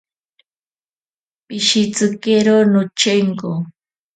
Pishitsikero nochenko.